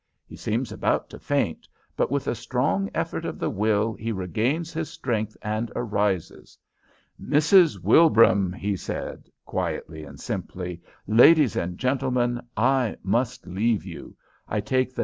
He seems about to faint, but with a strong effort of the will he regains his strength and arises. "Mrs. Wilbraham,' he said, quietly and simply 'ladies and gentlemen, I must leave you. I take the 9.